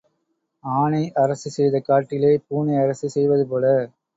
ஆனை அரசு செய்த காட்டிலே பூனை அரசு செய்வது போல.